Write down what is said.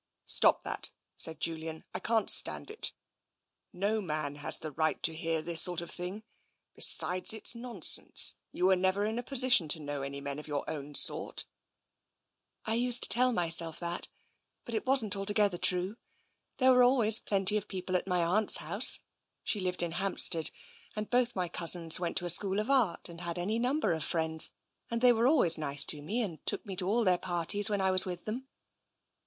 " Stop that," said Julian. '* I can't stand it. No man has any right to hear this sort of thing. Besides, it's nonsense. You were never in a position to know any men of your own sort." " I used to tell myself that. But it wasn't altogether true. There were always plenty of people at my aunt's house — she lived in Hampstead — and both my cousins went to a school of art, and had any number of friends, and they were always nice to me, and took me to all their parties when I was with them.